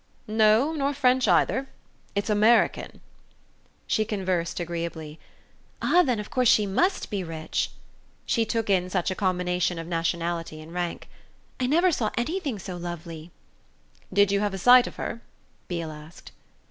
"No, nor French either. It's American." She conversed agreeably. "Ah then of course she must be rich." She took in such a combination of nationality and rank. "I never saw anything so lovely." "Did you have a sight of her?" Beale asked.